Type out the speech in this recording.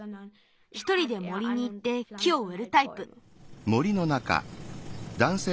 ひとりで森にいって木をうえるタイプ。